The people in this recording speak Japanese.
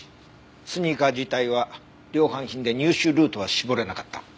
スニーカー自体は量販品で入手ルートは絞れなかった。